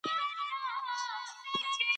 رڼا راغلې ده.